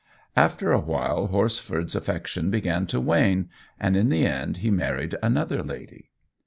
After a while Horsford's affection began to wane, and in the end he married another lady.